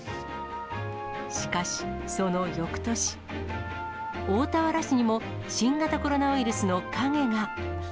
しかし、そのよくとし、大田原市にも新型コロナウイルスの影が。